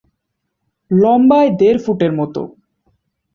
লম্বায় দেড় ফুটের মতো।